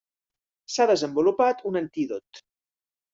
S'ha desenvolupat un antídot.